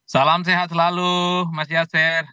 salam sehat selalu mas yaser